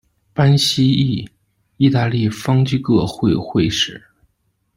班锡宜，意大利方济各会会士。